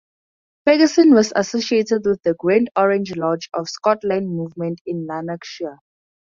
Ferguson was associated with the Grand Orange Lodge of Scotland movement in Lanarkshire.